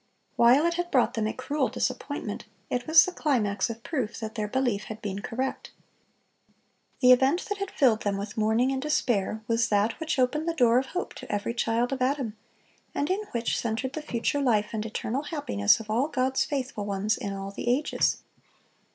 While it had brought them a cruel disappointment, it was the climax of proof that their belief had been correct. The event that had filled them with mourning and despair, was that which opened the door of hope to every child of Adam, and in which centered the future life and eternal happiness of all God's faithful ones in all the ages.